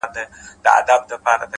ستا په سترگو کي سندري پيدا کيږي”